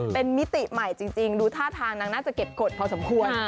เป็นมิติใหม่จริงดูท่าทางนางน่าจะเก็บกฎพอสมควร